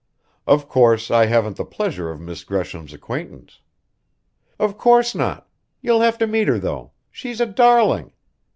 "Of course, I haven't the pleasure of Miss Gresham's acquaintance." "Of course not. You'll have to meet her, though. She's a darling!